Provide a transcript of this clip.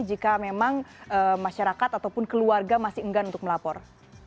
jika memang masyarakat ataupun keluarga masih enggan untuk melapor